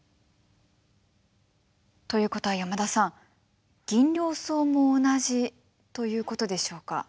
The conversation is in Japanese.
ということは山田さんギンリョウソウも同じということでしょうか？